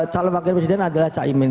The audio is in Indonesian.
calon pakar presiden adalah cak imin